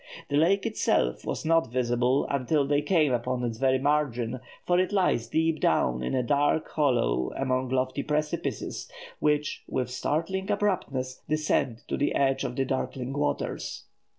The lake itself was not visible until they came upon its very margin, for it lies deep down in a dark hollow among lofty precipices, which, with startling abruptness, descend to the edge of the darkling waters.